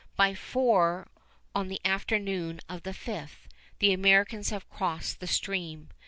By four on the afternoon of the 5th, the Americans have crossed the stream.